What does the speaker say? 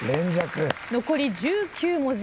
残り１９文字。